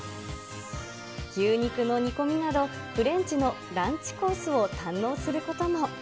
牛肉の煮込みなど、フレンチのランチコースを堪能することも。